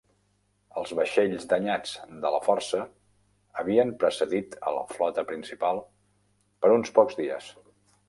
Els vaixells danyats de la força havien precedit a la flota principal per uns pocs dies.